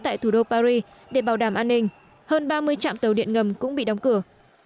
tại thủ đô paris để bảo đảm an ninh hơn ba mươi trạm tàu điện ngầm cũng bị đóng cửa